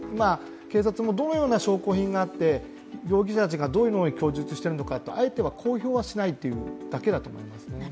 警察もどのような証拠品があって、容疑者たちがどのように供述しているのか、あえて公表はしないというだけだと思います。